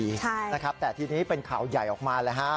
ใช่นะครับแต่ทีนี้เป็นข่าวใหญ่ออกมาเลยฮะ